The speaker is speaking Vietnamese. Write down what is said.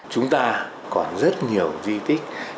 chúng ta còn rất nhiều di tích